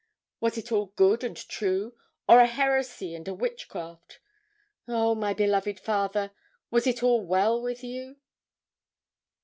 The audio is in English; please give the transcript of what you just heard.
Was it all good and true, or a heresy and a witchcraft? Oh, my beloved father! was it all well with you?